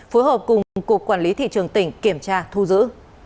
phối hợp cùng cục quản lý thị trường tỉnh kiểm tra thu giữ